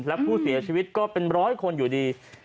และผู้เสียชีวิตก็เป็นร้อยคนอยู่ดี